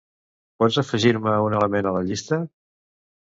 Pots afegir-me un element a la llista?